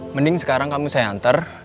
mending sekarang kamu saya anter